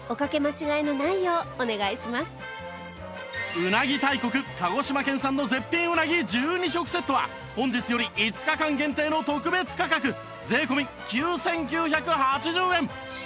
うなぎ大国鹿児島産の絶品うなぎ１２食セットは本日より５日間限定の特別価格税込９９８０円